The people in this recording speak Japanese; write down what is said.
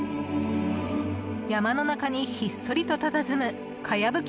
山の中にひっそりとたたずむかやぶき